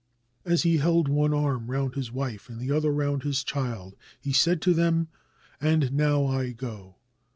As he held one arm round his wife and the other round his child, he said to them, "And now I go.